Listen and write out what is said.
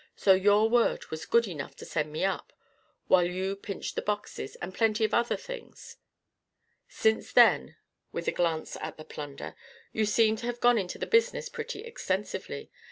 So your word was good enough to send me up while you pinched the boxes, and plenty of other things. Since then" with a glance at the plunder "you seem to have gone into the business pretty extensively.